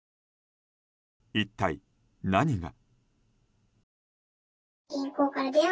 一体何が。